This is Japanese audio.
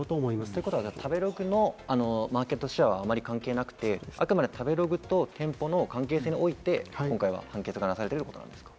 ということは食べログのマーケットシェアはあまり関係なくて、食べログと店舗の関係性において今回は判決がなされているということですか？